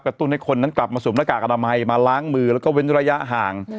ตุ้นให้คนนั้นกลับมาสวมหน้ากากอนามัยมาล้างมือแล้วก็เว้นระยะห่าง